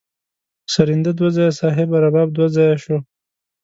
سرینده دوه ځایه صاحبه رباب دوه ځایه شو.